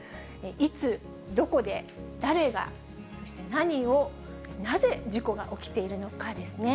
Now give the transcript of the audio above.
いつ、どこで、誰が、そして、何を、なぜ、事故が起きているのかですね。